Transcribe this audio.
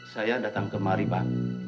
saya datang kemari pak